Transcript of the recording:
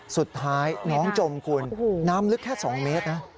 สุดท้ายน้องจมคุณน้ำลึกแค่๒เมตรนะ